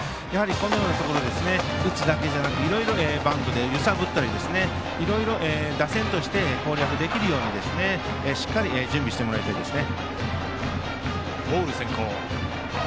このようなところで打つだけではなくいろいろバントで揺さぶったり打線として攻略できるように準備してもらいたいですね。